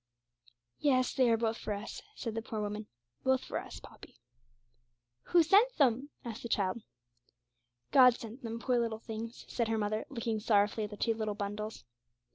'Yes, they are both for us,' said the poor woman; 'both for us, Poppy.' 'Who sent them?' asked the child. 'God sent them, poor little things!' said her mother, looking sorrowfully at the two little bundles.